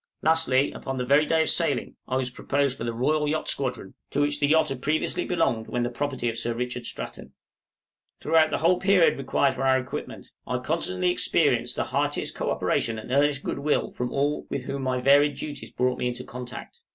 Lastly, upon the very day of sailing, I was proposed for the Royal Yacht Squadron, to which the yacht had previously belonged when the property of Sir Richard Stratton. {REFLECTIONS UPON THE UNDERTAKING.} Throughout the whole period required for our equipment, I constantly experienced the heartiest co operation and earnest good will from all with whom my varied duties brought me in contact.